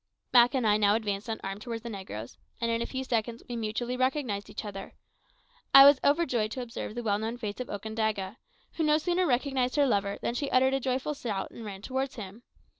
Mak and I now advanced unarmed towards the negroes, and in a few seconds we mutually recognised each other. I was overjoyed to observe the well known face of Okandaga, who no sooner recognised her lover than she uttered a joyful shout and ran towards him.